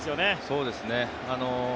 そうですね。